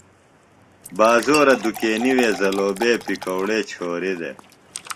بازورہ دُکینی وے زلوبے، پکوڑے چھوریۡ دےۡ۔